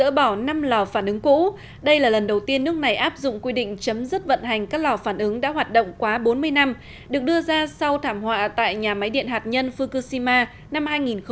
bác bỏ năm lò phản ứng cũ đây là lần đầu tiên nước này áp dụng quy định chấm dứt vận hành các lò phản ứng đã hoạt động quá bốn mươi năm được đưa ra sau thảm họa tại nhà máy điện hạt nhân fukushima năm hai nghìn một mươi